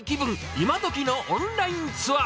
イマドキのオンラインツアー。